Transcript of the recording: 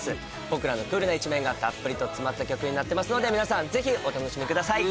僕らのクールな一面がたっぷりと詰まった曲になってますので皆さんぜひお楽しみください。